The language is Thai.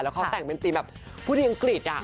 แล้วเขาแต่งเป็นธรรมแบบพูดอังกฤษ